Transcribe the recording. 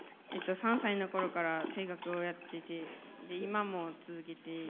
３歳のころから声楽をやっていて今も続けています。